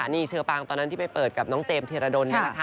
นี่เชอปังตอนนั้นที่ไปเปิดกับน้องเจมส์เทียร์ระดน